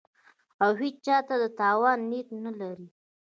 او هېچا ته د تاوان نیت نه لري